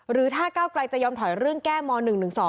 หรือถ้าก้าวไกลจะยอมถอยเรื่องแก้ม๑๑๒